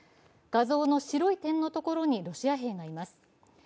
画像の白い点のところにロシア兵がいます。